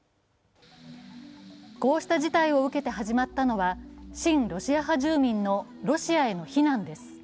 こうした事態を受けて始まったのは、親ロシア派住民のロシアへの避難です。